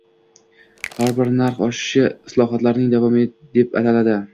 Har bir narx oshishi islohotlarning davomi deb ataladi